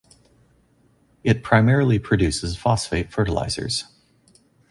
It primarily produces phosphate fertilizers.